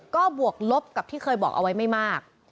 ก็บวกลบกับที่เคยบอกเอาไว้ไม่มาก